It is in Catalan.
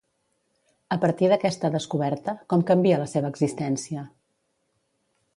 A partir d'aquesta descoberta, com canvia la seva existència?